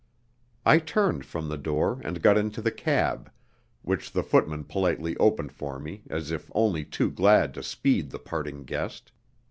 I turned from the door and got into the cab, which the footman politely opened for me as if only too glad to speed the parting guest.